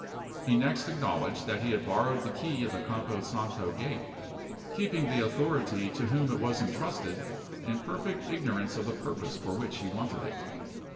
He next acknowledged that he had borrowed the key of the Campo Santo gate, keeping the authority to whom it was intrusted in perfect ignorance of the purpose for which he wanted it.